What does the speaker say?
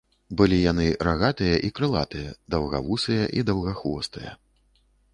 Былі яны рагатыя і крылатыя, даўгавусыя і даўгахвостыя.